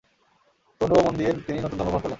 তনু ও মন দিয়ে তিনি নতুন ধর্ম গ্রহণ করলেন।